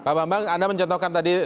pak bambang anda mencontohkan tadi